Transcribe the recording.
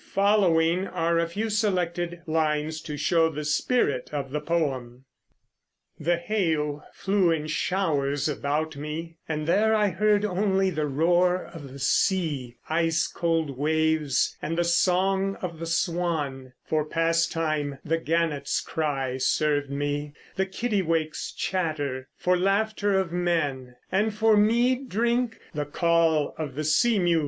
Following are a few selected lines to show the spirit of the poem: The hail flew in showers about me; and there I heard only The roar of the sea, ice cold waves, and the song of the swan; For pastime the gannets' cry served me; the kittiwakes' chatter For laughter of men; and for mead drink the call of the sea mews.